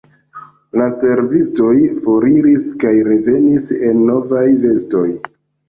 La servistoj foriris kaj revenis en novaj vestoj.